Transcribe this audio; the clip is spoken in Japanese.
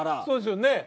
そうですよね。